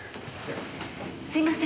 すいません。